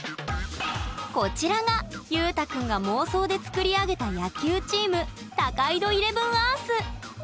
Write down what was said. こちらが、ゆうたくんが妄想で作り上げた野球チーム高井戸イレブンアース。